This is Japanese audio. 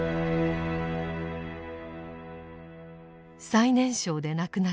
最年少で亡くなった一人